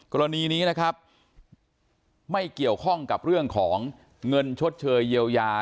กรณีนี้นะครับไม่เกี่ยวข้องกับเรื่องของเงินชดเชยเยียวยา